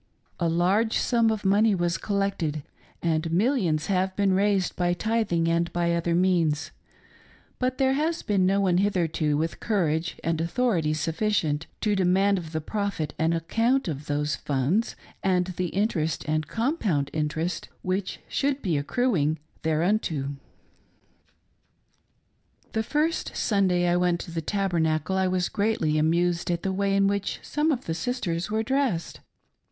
A large sunj of money was collected, and millions have been raised by tithing and by other means, but there has been no one hitherto with courage and authority sufficient to demand of the Prophet an account of those funds, and the interest and compound interest which should be accruing thereunto. The first Sunday I went to the Tabernacle I was greatly amused at the way in which some of the sisters were dressed.